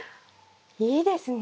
いいですね。